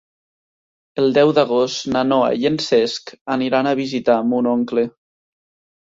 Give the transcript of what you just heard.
El deu d'agost na Noa i en Cesc aniran a visitar mon oncle.